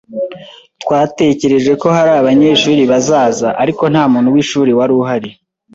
Twatekereje ko hari abanyeshuri bazaza, ariko nta muntu w’ishuri wari uhari.